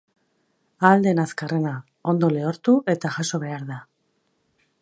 Ahal den azkarrena ondo lehortu eta jaso behar da.